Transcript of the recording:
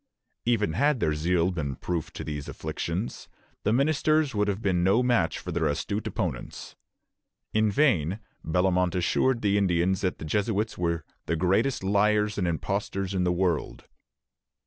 " Even had their zeal been proof to these afflictions, the ministers would have been no match for their astute opponents. In vain Bellomont assured the Indians that the Jesuits were "the greatest lyars and impostors in the world."